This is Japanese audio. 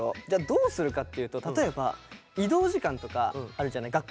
じゃあどうするかっていうと例えば移動時間とかあるじゃない。